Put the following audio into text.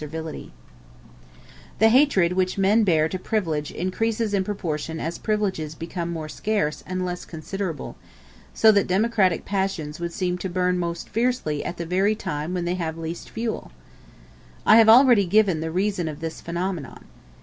] The hatred which men bear to privilege increases in proportion as privileges become more scarce and less considerable, so that democratic passions would seem to burn most fiercely at the very time when they have least fuel. I have already given the reason of this phenomenon.